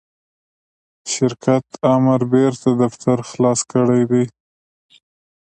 شرکت آمر بیرته دفتر خلاص کړی دی.